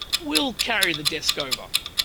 We'll carry the desk over.